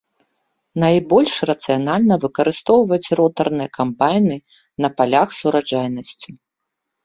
Найбольш рацыянальна выкарыстоўваць ротарныя камбайны на палях з ураджайнасцю.